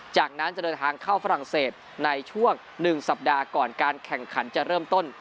จากนั้นจะเดินทางเข้าฝรั่งเศสในช่วง๑สัปดาห์ก่อนการแข่งขันจะเริ่มต้น